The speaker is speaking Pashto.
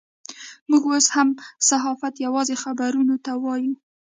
موږ اوس هم صحافت یوازې خبرونو ته وایو.